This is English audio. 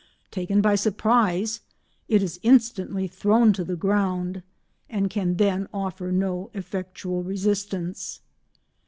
Taken by surprise, it is instantly thrown to the ground, and can then offer no effectual resistance.